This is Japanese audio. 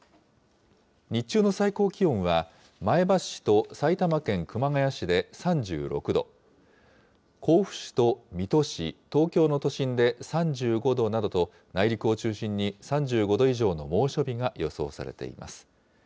日中の最高気温は、前橋市と埼玉県熊谷市で３６度、甲府市と水戸市、東京の都心で３５度などと、内陸を中心に３５度以上の猛暑日が予想されています。